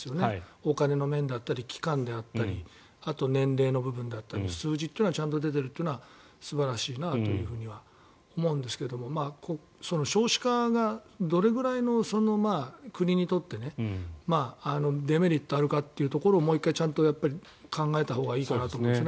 お金の面だったり期間であったりあと年齢の部分だったり数字というのがちゃんと出ているというのは素晴らしいなと思うんですが少子化がどれくらい国にとってデメリットがあるかというところをもう１回ちゃんと考えたほうがいいかなと思うんですね。